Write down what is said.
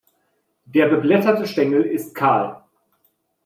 Der beblätterte Stängel ist kahl.